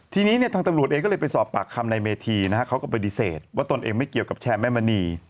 ทีนี้เนี่ยทางตำรวจเองก็เลยไปสอบปากคำในเมธีนะฮะเขาก็ปฏิเสธว่าตนเองไม่เกี่ยวกับแชร์แม่มณี